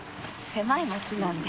狭い町なんで。